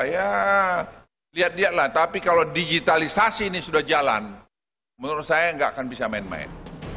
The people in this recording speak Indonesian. ya lihat lihatlah tapi kalau digitalisasi ini sudah jalan menurut saya nggak akan bisa main main